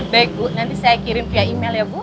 baik bu nanti saya kirim via email ya bu